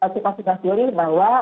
kita sudah pilih bahwa